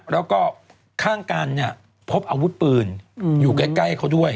แล้วก็ข้างกันเนี่ยพบอาวุธปืนอยู่ใกล้เขาด้วย